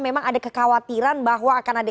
memang ada kekhawatiran bahwa akan ada